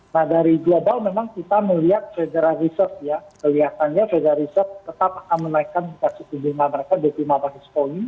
nah dari global memang kita melihat federal reserve ya kelihatannya federal reserve tetap akan menaikkan fasilitasi bunga mereka di lima belas poin